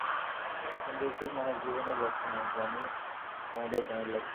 ইন্দ্রিয়সুখ মানব-জীবনের লক্ষ্য নয়, জ্ঞানই সমুদয় প্রাণীর লক্ষ্য।